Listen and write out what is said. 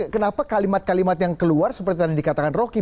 kenapa kalimat kalimat yang keluar seperti tadi dikatakan rocky